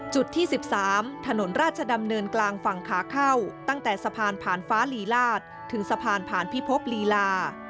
ที่๑๓ถนนราชดำเนินกลางฝั่งขาเข้าตั้งแต่สะพานผ่านฟ้าลีลาศถึงสะพานผ่านพิภพลีลา